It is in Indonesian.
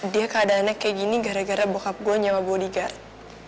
dia keadaannya kayak gini gara gara bokap gue nyawa bodyguard